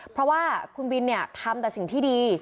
เพราะว่าคุณบินทำแต่สิ่งที่ดี